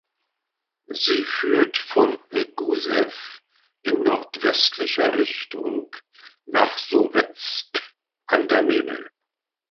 Sie führt von Gussew in nordwestlicher Richtung nach Sowetsk an der Memel.